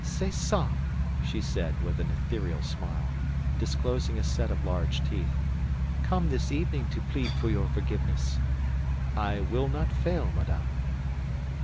"C'est ça!" she said, with an ethereal smile, disclosing a set of large teeth. "Come this evening to plead for your forgiveness." "I will not fail, madame."